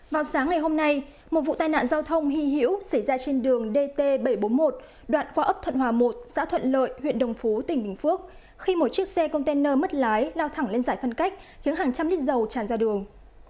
vào sáng ngày hôm nay một vụ tai nạn giao thông hy hữu xảy ra trên đường dt bảy trăm bốn mươi một đoạn qua ấp thuận hòa một xã thuận lợi huyện đồng phú tỉnh bình phước khi một chiếc xe container mất lái lao thẳng lên giải phân cách khiến hàng trăm lít dầu tràn ra đường